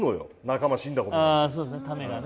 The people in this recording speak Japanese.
仲間死んだことが。